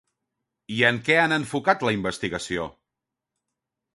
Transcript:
I en què han enfocat la investigació?